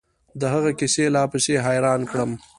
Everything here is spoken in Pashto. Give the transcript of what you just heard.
د هغه کيسې لا پسې حيران کړم.